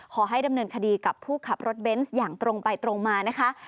ขอให้ดำเนินคดีกับผู้ขับรถเบนส์อย่างตรงไปตรงมานะคะ